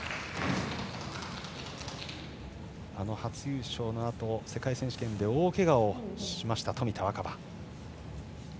あの初優勝のあと世界選手権で大けがをしました冨田若春。